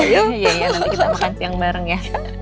iya iya nanti kita makan siang bareng ya